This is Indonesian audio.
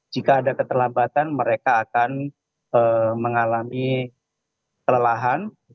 jika ada keterlambatan mereka akan mengalami kelelahan